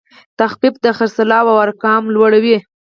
تخفیف د خرڅلاو ارقام لوړوي.